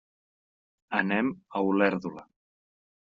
Anem a Olèrdola.